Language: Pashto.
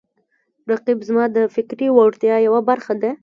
رقیب زما د فکري وړتیاو یوه برخه ده